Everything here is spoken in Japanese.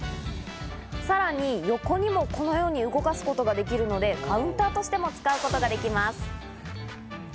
さらに横にもこのように動かすことができるのでカウンターとしても使うことができます。